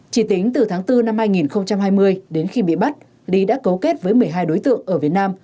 chỉ tính từ tháng bốn năm hai nghìn hai mươi đến khi bị bắt lý đã cấu kết với một mươi hai đối tượng ở việt nam